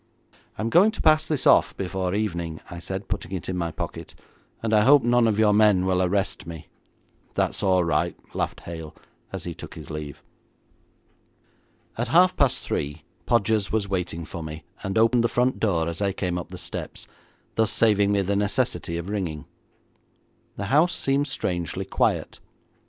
'I'm going to pass this off before evening,' I said, putting it in my pocket, 'and I hope none of your men will arrest me.' 'That's all right,' laughed Hale as he took his leave. At half past three Podgers was waiting for me, and opened the front door as I came up the steps, thus saving me the necessity of ringing. The house seemed strangely quiet.